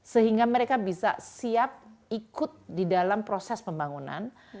sehingga mereka bisa siap ikut di dalam proses pembangunan